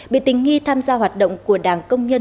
bị tình nghi tham gia hoạt động của đảng công nhân